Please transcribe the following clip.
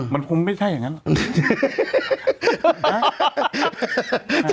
มันคงไม่ใช่อย่างนั้นหรอก